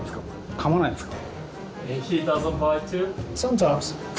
かまないんですか？